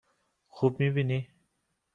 خوب می بینی؟